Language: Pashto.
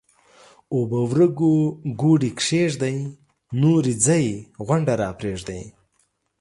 اوبه ورګو ګوډي کښېږدئ ـ نورې ځئ غونډه راپرېږدئ